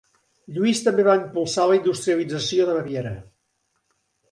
Lluís també va impulsar la industrialització de Baviera.